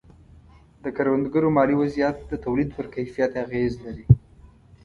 د کروندګرو مالي وضعیت د تولید پر کیفیت اغېز لري.